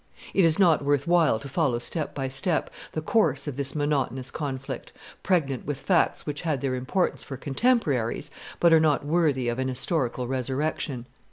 It is not worth while to follow step by step the course of this monotonous conflict, pregnant with facts which had their importance for contemporaries, but are not worthy of an historical resurrection.